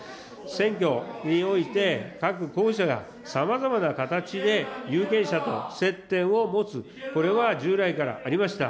選挙において、各候補者が、さまざまな形で有権者と接点を持つ、これは従来からありました。